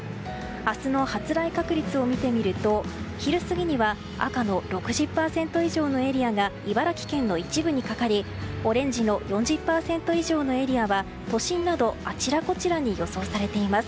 明日の発雷確率を見てみると昼過ぎには赤の６０％以上のエリアが茨城県の一部にかかりオレンジの４０％以上のエリアは都心などあちらこちらに予想されています。